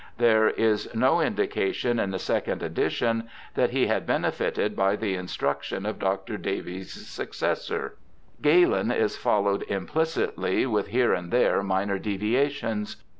There is no indi cation in the second edition that he had benefited by the instruction of Dr. Davies's successor. Galen is followed implicitly, with here and there minor deviations.